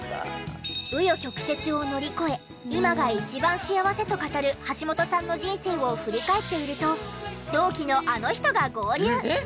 紆余曲折を乗り越え「今が一番幸せ」と語る橋本さんの人生を振り返っていると同期のあの人が合流！